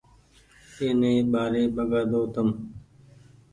ايني ٻآري ٻگآۮو تم